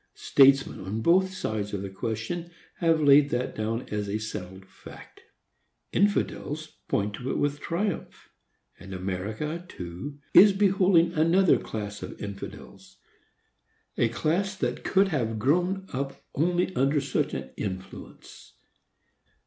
Statesmen on both sides of the question have laid that down as a settled fact. Infidels point to it with triumph; and America, too, is beholding another class of infidels,—a class that could have grown up only under such an influence.